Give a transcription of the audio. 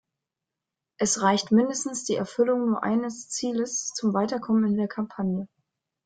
Es reicht meistens die Erfüllung nur eines Zieles zum Weiterkommen in der Kampagne.